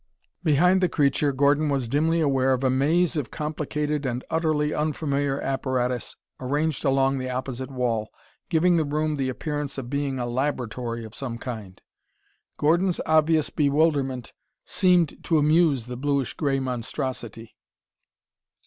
Behind the creature Gordon was dimly aware of a maze of complicated and utterly unfamiliar apparatus ranged along the opposite wall, giving the room the appearance of being a laboratory of some kind. Gordon's obvious bewilderment seemed to amuse the bluish gray monstrosity.